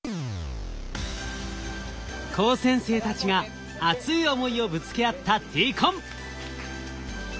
高専生たちが熱い思いをぶつけ合ったＤＣＯＮ。